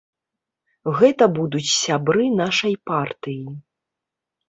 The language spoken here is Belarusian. Гэта будуць сябры нашай партыі.